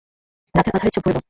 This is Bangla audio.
রাতের আঁধারে চোখ ভরে দাও।